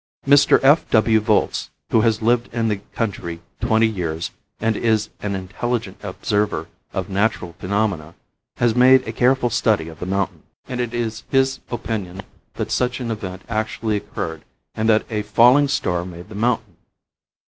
Mr. F. W. Volz, who has lived in the country twenty years and is an intelligent observer of natural phenomena, has made a careful study of the mountain, and it is his opinion that such an event actually occurred and that a falling star made the mountain.